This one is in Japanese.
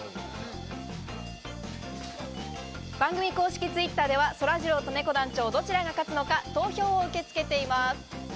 番組公式Ｔｗｉｔｔｅｒでは、そらジローとねこ団長、どちらが勝つのか、投票を受け付けています。